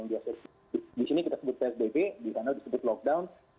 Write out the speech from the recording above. di sini kita sebut psbb di sana disebut lockdown